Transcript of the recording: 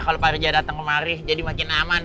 kalau pak reza datang kemari jadi makin aman